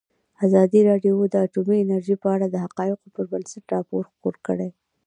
ازادي راډیو د اټومي انرژي په اړه د حقایقو پر بنسټ راپور خپور کړی.